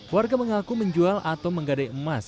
warga mengaku menjual atau menggadai emas